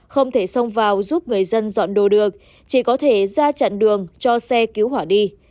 không thể xông vào giúp người dân dọn đồ được chỉ có thể ra chặn đường cho xe cứu hỏa đi